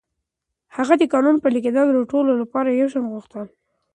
هغه د قانون پلي کېدل د ټولو لپاره يو شان غوښتل.